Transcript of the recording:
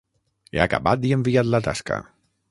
He acabat i enviat la tasca.